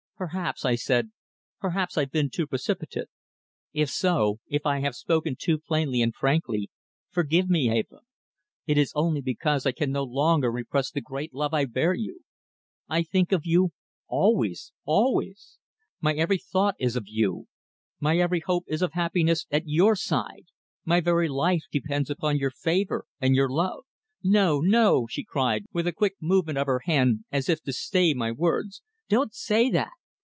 "Perhaps," I said, "perhaps I've been too precipitate. If so if I have spoken too plainly and frankly forgive me, Eva. It is only because I can no longer repress the great love I bear you. I think of you always always. My every thought is of you; my every hope is of happiness at your side; my very life depends upon your favour and your love." "No, no!" she cried, with a quick movement of her hand as if to stay my words. "Don't say that.